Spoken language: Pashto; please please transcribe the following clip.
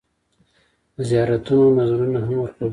د زیارتونو نذرونه هم ورکول کېږي.